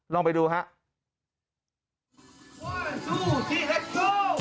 ลองไปดูครับ